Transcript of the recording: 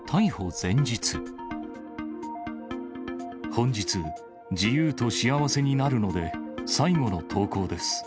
本日、自由と幸せになるので、最期の投稿です。